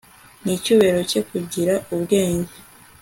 Nicyubahiro cye kugira ubwenge